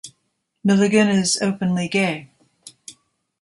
Millegan is openly gay.